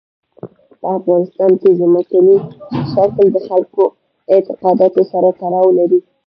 په افغانستان کې ځمکنی شکل د خلکو اعتقاداتو سره تړاو لري.